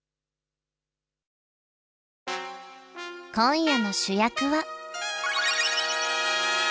今夜の主役は。